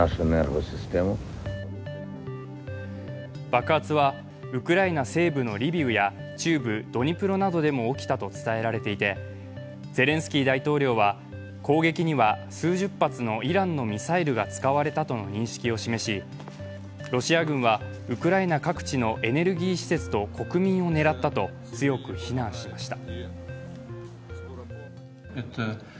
爆発はウクライナ西部のリビウや中部ドニプロなどでも起きたと伝えられていて、ゼレンスキー大統領は、攻撃には数十発のイランのミサイルが使われたとの認識を示し、ロシア軍はウクライナ各地のエネルギー施設と国民を狙ったと強く非難しました。